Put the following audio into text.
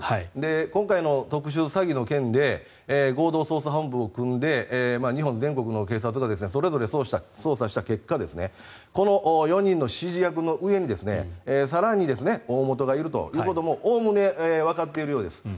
今回の特殊詐欺の件で合同捜査本部を組んで日本全国の警察がそれぞれ捜査した結果この４人の指示役の上に更に大元がいるということもおおむねわかっているようです。